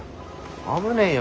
危ねえよ